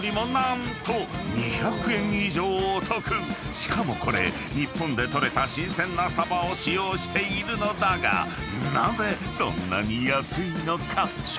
［しかもこれ日本で取れた新鮮な鯖を使用しているのだがなぜそんなに安いのか？］